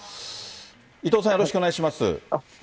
いとうさん、よろしくお願いします。